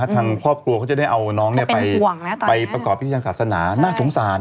ทางครอบครัวเขาจะได้เอาน้องไปประกอบพิธีทางศาสนาน่าสงสาร